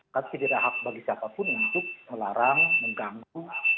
kan tidak ada hak bagi siapapun untuk melarang mengganggu